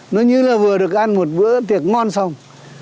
nó như là vừa được ăn một bữa tiệc ngon xong